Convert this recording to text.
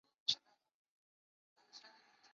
马鸣生于东印度的桑岐多国出家。